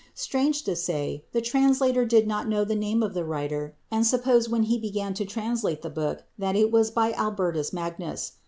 Strange to say, the translator did not know the name of the writer and supposed when he began to translate the book that it was by Albertus Magnus.